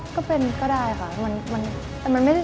ก็เป็นก็ได้ค่ะมันไม่ได้สำคัญแล้ว